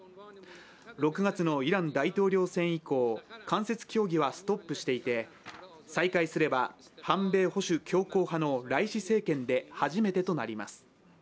６月のイラン大統領選以降間接協議はストップしていて、再開すれば反米保守強硬派のライシ政権で初めてとなります。